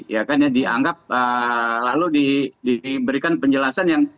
ya kan ya dianggap lalu diberikan penjelasan yang